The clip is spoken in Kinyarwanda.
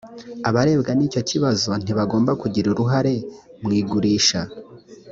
abarebwa n’icyo kibazo ntibagomba kugira uruhare mu igurisha